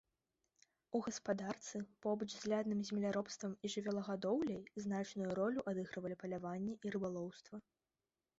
У гаспадарцы побач з лядным земляробствам і жывёлагадоўляй значную ролю адыгрывалі паляванне і рыбалоўства.